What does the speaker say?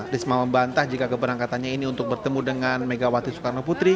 risma membantah jika keberangkatannya ini untuk bertemu dengan megawati soekarno putri